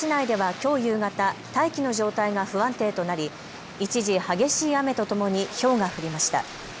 前橋市内ではきょう夕方、大気の状態が不安定となり一時、激しい雨とともにひょうが降りました。